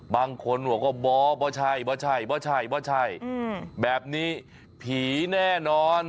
บางคนบอกว่าบ๊อบบ๊อบชัยแบบนี้ผีแน่นอน